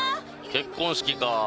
結婚式かー